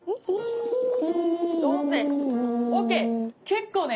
結構ね